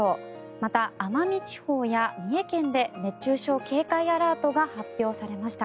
また奄美地方や三重県で熱中症警戒アラートが発表されました。